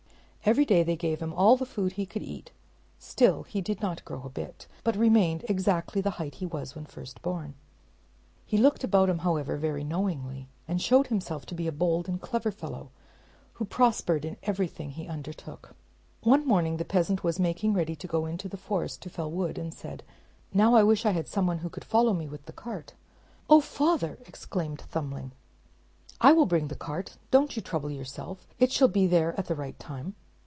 Every day they gave him all the food he could eat; still he did not grow a bit, but remained exactly the height he was when first born; he looked about him, however, very knowingly, and showed himself to be a bold and clever fellow, who prospered in everything he undertook. One morning the peasant was making ready to go into the forest to fell wood, and said, "Now I wish I had some one who could follow me with the cart." "Oh! father," exclaimed Thumbling, "I will bring the cart; don't you trouble yourself; it shall be there at the right time."